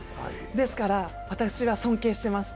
ですから、私は尊敬しています。